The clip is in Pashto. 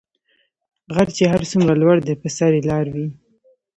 غر چی هر څومره لوړ دي په سر یي لار وي .